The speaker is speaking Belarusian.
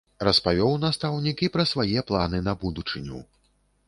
Распавёў настаўнік і пра свае планы на будучыню.